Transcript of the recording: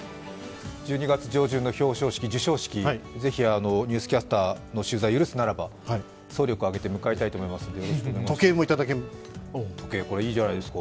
１２月上旬の授賞式、ぜひ「ニュースキャスター」の取材を許すならば、総力を上げて向かいたいと思いますので、よろしくお願いします。